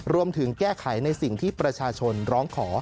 รวมถึงแก้ไขในสิ่งที่ประชาชนร้องขอ